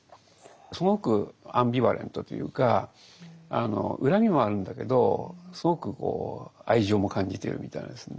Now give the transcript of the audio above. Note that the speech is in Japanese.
すごくアンビバレントというか恨みもあるんだけどすごく愛情も感じているみたいなですね